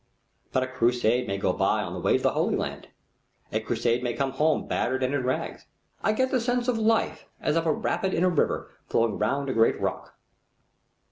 But a crusade may go by on the way to the Holy Land. A crusade may come home battered and in rags. I get the sense of life, as of a rapid in a river flowing round a great rock."